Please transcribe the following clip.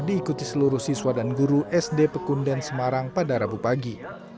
diikuti seluruh siswa dan guru sd pekunden semarang pada rabu pagi